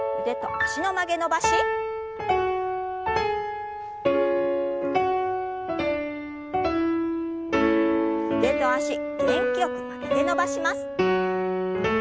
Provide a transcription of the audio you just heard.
腕と脚元気よく曲げて伸ばします。